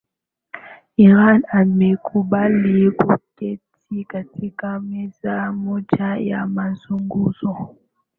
iran imekubali kuketi katika meza moja ya mazungumzo